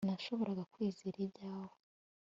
Sinashoboraga kwizera ibyabaye